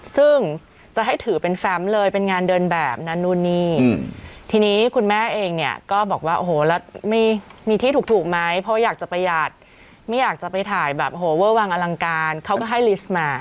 ซึ่งจะให้ถือเป็นแฟมเลยเป็นงานเดินแบบนั้นนู่นนี่ทีนี้คุณแม่เองเนี่ยก็บอกว่าโอ้โหแล้วไม่มีที่ถูกไหมเพราะอยากจะประหยัดไม่อยากจะไปถ่ายแบบโหเวอร์วางอลังการเขาก็ให้ลิสต์มา